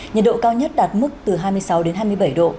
nhiệt độ cao nhất đạt mức từ hai mươi sáu đến hai mươi bảy độ